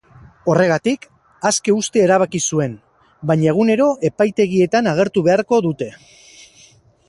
Horregatik, aske uztea erabaki zuen, baina egunero epaitegietan agertu beharko dute.